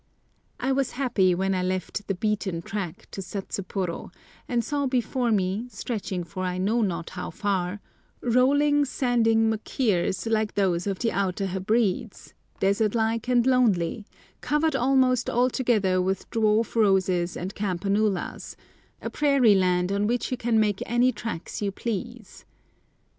I was happy when I left the "beaten track" to Satsuporo, and saw before me, stretching for I know not how far, rolling, sandy machirs like those of the Outer Hebrides, desert like and lonely, covered almost altogether with dwarf roses and campanulas, a prairie land on which you can make any tracks you please.